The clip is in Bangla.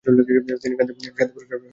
তিনি গান্ধী শান্তি পুরস্কার লাভ করেছেন।